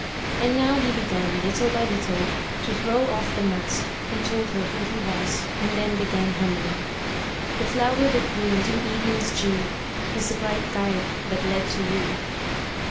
And now he began, little by little, to throw off the mask, and told her who he was, and then began humming: "The flower that bloomed in evening's dew, Was the bright guide that led to you."